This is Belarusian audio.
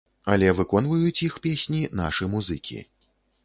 Але выконваюць іх песні нашы музыкі.